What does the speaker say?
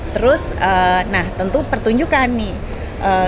terus nah tentu pertunjukan nih